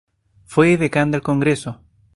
Fue edecán del Congreso.